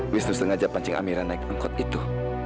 wisnu sengaja pancing amira naik angkot itu